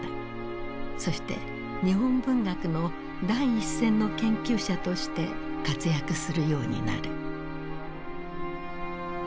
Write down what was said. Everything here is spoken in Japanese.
そして日本文学の第一線の研究者として活躍するようになる。